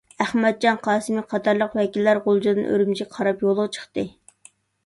ئەخمەتجان قاسىمى قاتارلىق ۋەكىللەر غۇلجىدىن ئۈرۈمچىگە قاراپ يولغا چىقتى.